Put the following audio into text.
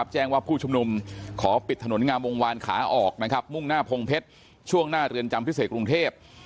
แจ้งว่าผู้ชุมนุมขอปิดถนนงามวงวานขาออกนะครับมุ่งหน้าพงเพชรช่วงหน้าเรือนจำพิเศษกรุงเทพ